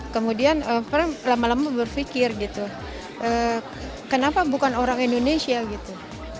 kemudian lama lama berpikir gitu kenapa bukan orang indonesia gitu